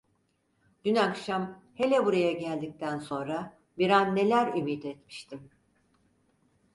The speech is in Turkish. Dün akşam, hele buraya geldikten sonra, bir an neler ümit etmiştim…